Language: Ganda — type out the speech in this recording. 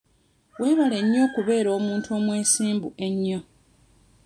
Weebale nnyo okubeera omuntu omwesimbu ennyo.